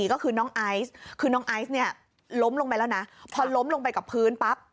ก็คือน้องไอซ์คือน้องไอซ์เนี่ยล้มลงไปแล้วนะพอล้มลงไปกับพื้นปั๊บ